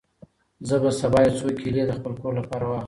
زه به سبا یو څو کیلې د خپل کور لپاره واخلم.